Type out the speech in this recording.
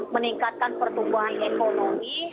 meningkatkan pertumbuhan ekonomi